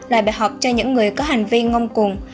là bài học cho những người có hành vi ngông cùng